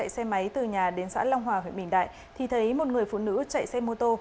xe máy từ nhà đến xã long hòa huyện bình đại thì thấy một người phụ nữ chạy xe mô tô